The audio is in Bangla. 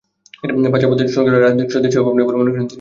পাচার বন্ধে সরকারের রাজনৈতিক সদিচ্ছার অভাব নেই বলে মনে করেন তিনি।